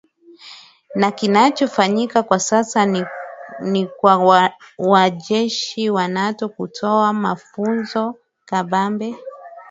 na kinachofanyika kwa sasa ni kwa majeshi ya nato kutoa mafunzo kabambe